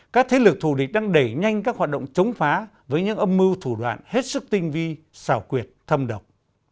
các thế lực thù địch đang đẩy nhanh các hoạt động chống phá với những âm mưu thủ đoạn hết sức tinh vi xảo quyệt thâm độc